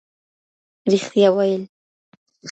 رښتيا ويل.